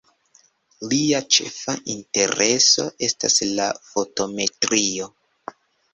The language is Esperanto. Lia ĉefa intereso estas la fotometrio.